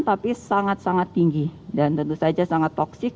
tapi sangat sangat tinggi dan tentu saja sangat toksik